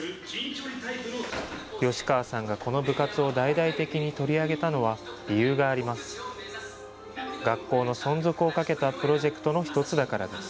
吉川さんがこの部活を大々的に取り上げたのは、理由があります。